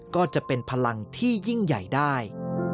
ก็จะเป็นพลังที่ยิ่งใหญ่ได้